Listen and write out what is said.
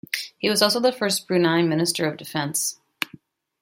He was also the first Brunei Minister of Defence.